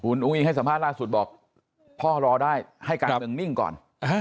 อุ้งอิงให้สัมภาษณ์ล่าสุดบอกพ่อรอได้ให้การเมืองนิ่งก่อน